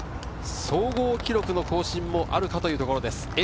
総合記録の更新もあるかというところです。